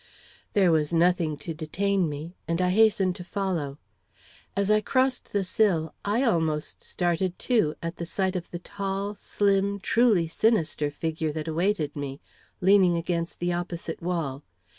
There was nothing to detain me, and I hastened to follow. As I crossed the sill I almost started too, at sight of the tall, slim, truly sinister figure that awaited me, leaning against the opposite wall.